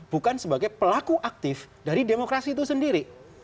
bukan sebagai pelaku aktif dari demokrasi itu sendiri